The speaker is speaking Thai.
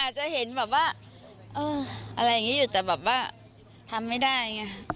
จะเห็นแบบว่าเอออะไรอย่างนี้อยู่แต่แบบว่าทำไม่ได้ไง